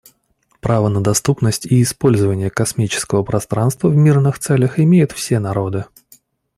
Право на доступность и использование космического пространства в мирных целях имеют все народы.